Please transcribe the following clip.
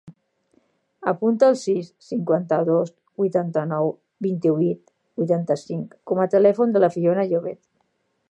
Apunta el sis, cinquanta-dos, vuitanta-nou, vint-i-vuit, vuitanta-cinc com a telèfon de la Fiona Llobet.